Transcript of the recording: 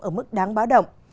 ở mức đáng bão động